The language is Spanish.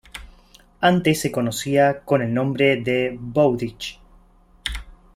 Antes se conocía con el nombre de "Bowditch".